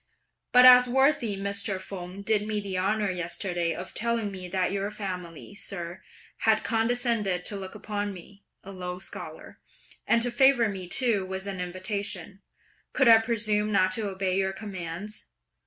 but as worthy Mr. Feng did me the honour yesterday of telling me that your family, sir, had condescended to look upon me, a low scholar, and to favour me too with an invitation, could I presume not to obey your commands?